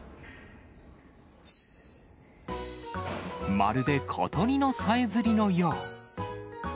まるで小鳥のさえずりのよう。